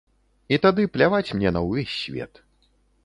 І тады пляваць мне на ўвесь свет.